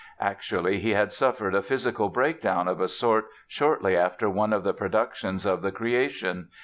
Actually, he had suffered a physical breakdown of a sort shortly after one of the productions of "The Creation".